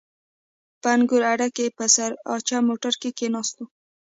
په انګور اډه کښې په سراچه موټر کښې کښېناستو.